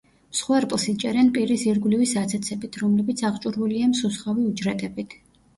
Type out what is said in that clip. მსხვერპლს იჭერენ პირის ირგვლივი საცეცებით, რომლებიც აღჭურვილია მსუსხავი უჯრედებით.